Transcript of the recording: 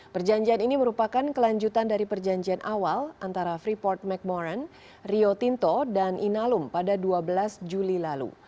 perjanjian ini merupakan kelanjutan dari perjanjian awal antara freeport mcmoran rio tinto dan inalum pada dua belas juli lalu